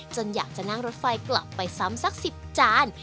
อยากจะนั่งรถไฟกลับไปซ้ำสัก๑๐จาน